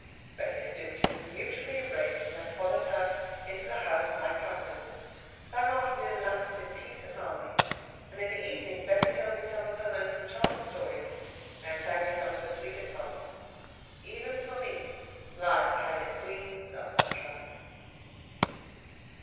Bessie stooped; we mutually embraced, and I followed her into the house quite comforted. That afternoon lapsed in peace and harmony; and in the evening Bessie told me some of her most enchanting stories, and sang me some of her sweetest songs. Even for me life had its gleams of sunshine.